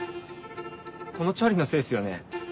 このチャリのせいっすよね？